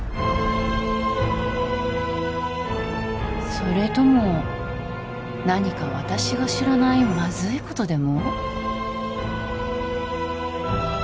それとも何か私が知らないまずいことでも？